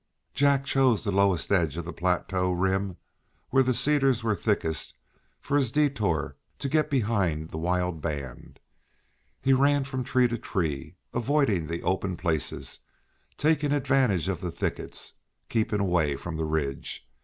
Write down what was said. Jack chose the lowest edge of the plateau rim where the cedars were thickest for his detour to get behind the wild band; he ran from tree to tree, avoiding the open places, taking advantage of the thickets, keeping away from the ridge.